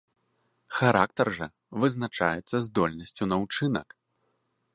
Характар жа вызначаецца здольнасцю на ўчынак.